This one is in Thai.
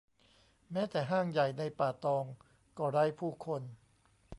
แม้แต่ห้างใหญ่ในป่าตองก็ไร้ผู้คน